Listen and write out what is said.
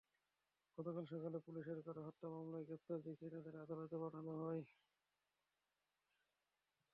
গতকাল সকালে পুলিশের করা হত্যা মামলায় গ্রেপ্তার দেখিয়ে তাঁদের আদালতে পাঠানো হয়।